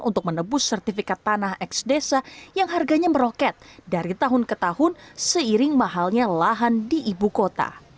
untuk menebus sertifikat tanah eks desa yang harganya meroket dari tahun ke tahun seiring mahalnya lahan di ibu kota